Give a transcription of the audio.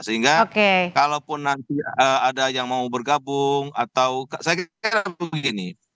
sehingga kalaupun nanti ada yang mau bergabung atau saya kira begini